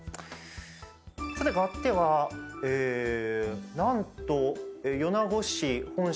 変わっては、なんと米子市本社